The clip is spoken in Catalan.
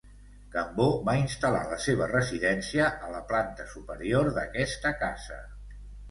Cambó va instal·lar la seva residència a la planta superior d'aquesta casa.